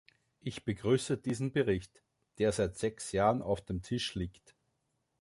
Ich begrüße diesen Bericht, der seit sechs Jahren auf dem Tisch liegt.